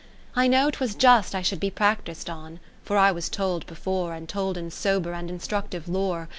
I know 'twas just I should be prac tis'd on ; For I was told before, And told in sober and instructive lore.